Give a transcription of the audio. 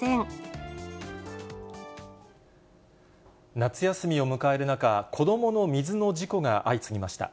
夏休みを迎える中、子どもの水の事故が相次ぎました。